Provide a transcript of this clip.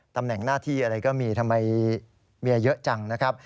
ตำแหน่งหน้าที่อะไรก็มีทำไมเมียเยอะจังนะครับ